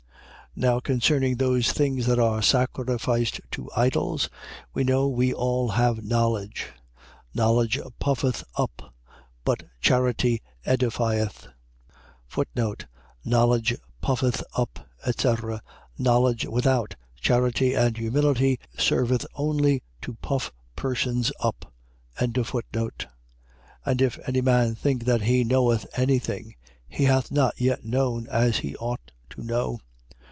8:1. Now concerning those things that are sacrificed to idols: we know we all have knowledge. Knowledge puffeth up: but charity edifieth. Knowledge puffeth up, etc. . .Knowledge, without charity and humility, serveth only to puff persons up. 8:2. And if any man think that he knoweth any thing, he hath not yet known as he ought to know.